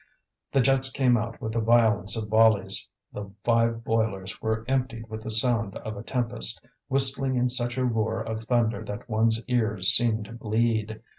The jets came out with the violence of volleys; the five boilers were emptied with the sound of a tempest, whistling in such a roar of thunder that one's ears seemed to bleed.